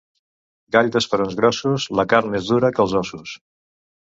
Gall d'esperons grossos, la carn més dura que els ossos.